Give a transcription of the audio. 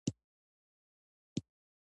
په افغانستان کې تالابونه ډېر اهمیت لري.